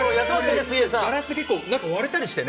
ガラスで結構割れたりしてね。